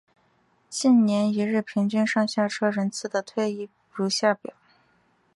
近年一日平均上下车人次的推移如下表。